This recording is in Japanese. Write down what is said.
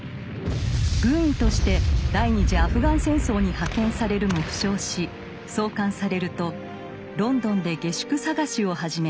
軍医として第二次アフガン戦争に派遣されるも負傷し送還されるとロンドンで下宿探しを始めます。